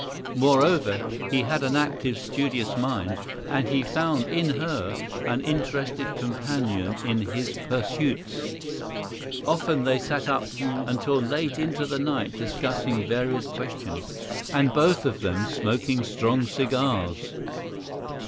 Moreover he had an active, studious mind, and he found in her an interested companion in his pursuits. Often they sat up until late into the night discussing various questions, and both of them—smoking strong cigars!